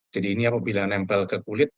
jadi ini apabila nempel ke kulit